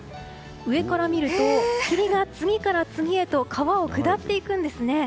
上から見ると、霧が次から次へと川を下っていくんですね。